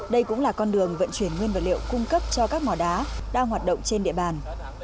đây cũng là con đường vận chuyển nguyên vật liệu cung cấp cho các mỏ đá đang hoạt động trên địa bàn